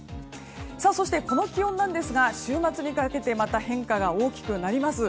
そして、この気温なんですが週末にかけてまた変化が大きくなります。